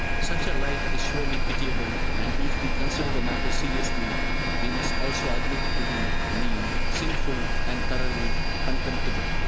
Such a life is surely pitiable, and if we consider the matter seriously, we must also admit it to be mean, sinful and thoroughly contemptible.